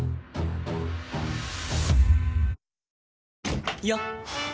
よっ！